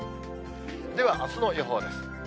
では、あすの予報です。